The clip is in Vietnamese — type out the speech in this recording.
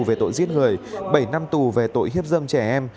về tội giết người bảy năm tù về tội hiếp dâm trẻ em